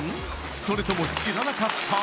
それとも知らなかった？